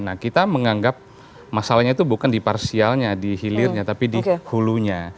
nah kita menganggap masalahnya itu bukan di parsialnya di hilirnya tapi di hulunya